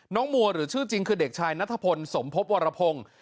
มัวหรือชื่อจริงคือเด็กชายนัทพลสมภพวรพงศ์